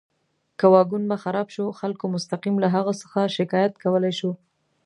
که واګون به خراب شو، خلکو مستقیم له هغه څخه شکایت کولی شو.